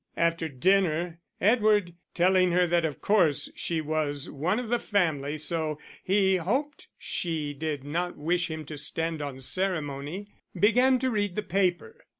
After dinner, Edward, telling her that of course she was one of the family so he hoped she did not wish him to stand on ceremony, began to read the paper.